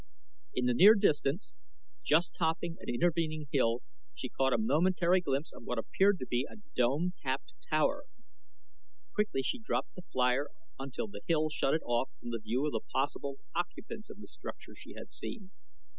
In the near distance, just topping an intervening hill, she caught a momentary glimpse of what appeared to be a dome capped tower. Quickly she dropped the flier until the hill shut it off from the view of the possible occupants of the structure she had seen.